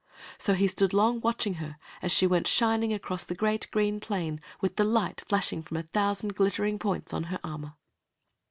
So he stood long watching her as she went shining across the great green plain with the light flashing from a thousand glittering points on her armor.